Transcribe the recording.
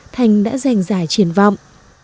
thành đã dành dài triển vọng